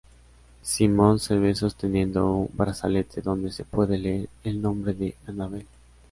Simon se ve sosteniendo un brazalete donde se puede leer el nombre de "Annabelle".